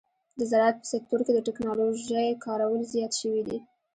د زراعت په سکتور کې د ټکنالوژۍ کارول زیات شوي دي.